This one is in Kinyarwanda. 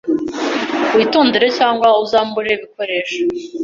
Witondere cyangwa uzambure ibikoresho.